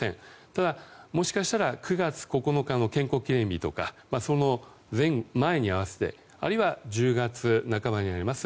ただ、もしかしたら９月９日の建国記念日とかその前に合わせてあるいは１０月半ばにあります